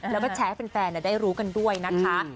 แล้วชัยเป็นแฟนได้รู้กันด้วยอืม